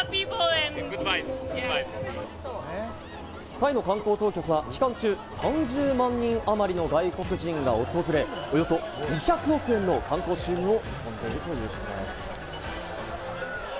タイの観光当局は期間中、３０万人あまりの外国人が訪れ、およそ２００億円の観光収入を見込んでいるんです。